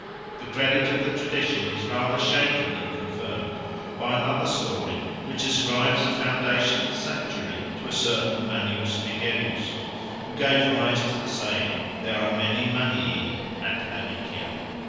The credit of the tradition is rather shaken than confirmed by another story which ascribes the foundation of the sanctuary to a certain Manius Egerius, who gave rise to the saying, "There are many Manii at Aricia."